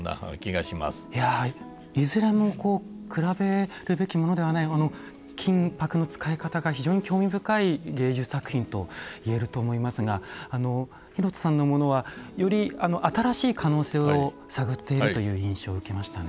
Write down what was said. いやいずれも比べるべきものではない金箔の使い方が非常に興味深い芸術作品と言えると思いますが裕人さんのものはより新しい可能性を探っているという印象を受けましたね。